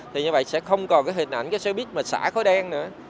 thì như vậy sẽ không còn hình ảnh xe buýt mà xả khói đen nữa